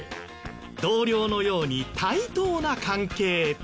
同僚のように対等な関係。